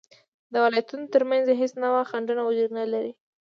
د ولایتونو تر منځ هیڅ نوعه خنډونه وجود نلري